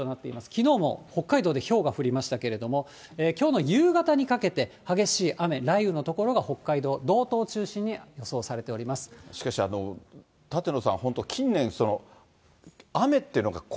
きのうも北海道でひょうが降りましたけれども、きょうの夕方にかけて、激しい雨、雷雨の所が北海道、しかし、舘野さん、本当、近年、そうですね。